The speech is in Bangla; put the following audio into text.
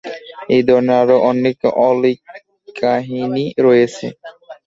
এ ধরনের আরো অনেক অলীক কাহিনী রয়েছে।